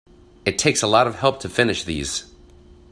It takes a lot of help to finish these.